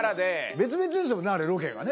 別々ですもんねあれロケがね。